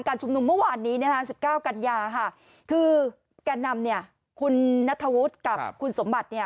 ประมาณชุมนุมเมื่อวานนี้๑๙กันยาคือการนำคุณณฑวุฒิกับคุณสมบัติ